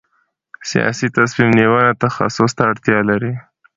سیاسي تصمیم نیونه تخصص ته اړتیا لري